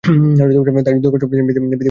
তাই দুর্গোৎসব-বিধি পড়বার ইচ্ছে হয়েছে।